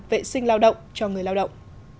vệ sinh lao động cho người lao động